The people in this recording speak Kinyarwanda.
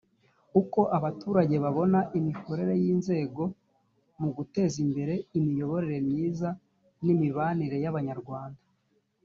uko abaturage babona imikorere y inzego mu guteza imbere imiyoborere myiza n imibanire y abanyarwanda